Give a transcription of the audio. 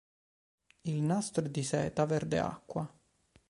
Il nastro è di seta verde acqua.